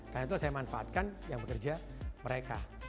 karena itu saya manfaatkan yang bekerja mereka